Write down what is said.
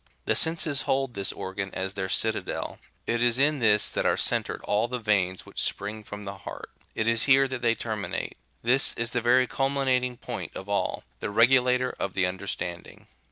The senses hold this organ as their citadel; it is in this that are centred all the veins which spring from the heart ; it is here that they terminate ; this is the very culminating point of all, the regulator of the understanding.